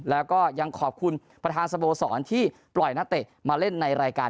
แล้วก็ยังขอบคุณประธานสโมสรที่ปล่อยนักเตะมาเล่นในรายการ